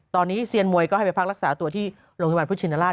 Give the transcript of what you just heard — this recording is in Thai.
ตอนนี้เซียนมวยก็ให้ไปพักรักษาตัวที่โรงพยาบาลพุทธชินราช